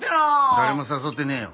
誰も誘ってねえよ。